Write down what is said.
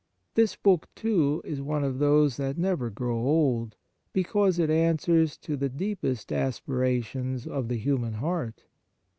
This book, too, is one of those that never grow old, because it answers to the deepest aspirations of the human heart.